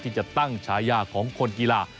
ที่จะตั้งฉายาของคนกีฬา